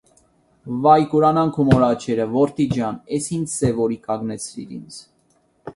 Վա՛յ, կուրանան քու մոր աչքերը, որդի ջան, էս ինչ սև՛ օրի կա նգնեցրիր ինձ: